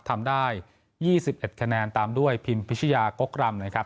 ทำได้ยี่สิบเอ็ดคะแนนตามด้วยพิมพิชยากกรัมนะครับ